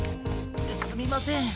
すみません。